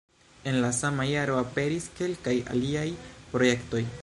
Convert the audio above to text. En la sama jaro aperis kelkaj aliaj projektoj.